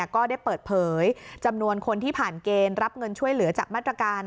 ก็ได้เปิดเผยจำนวนคนที่ผ่านเกณฑ์รับเงินช่วยเหลือจากมาตรการ